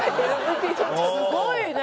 すごいね。